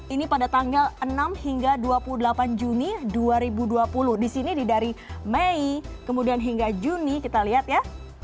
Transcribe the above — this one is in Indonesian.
ini pada tanggal enam hingga dua puluh delapan juni dua ribu dua puluh di sini dari mei kemudian hingga juni kita lihat ya